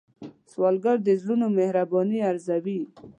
سوالګر د زړونو مهرباني ارزوي